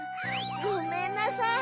ごめんなさい。